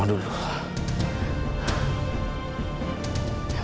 saya mau ke rumah dulu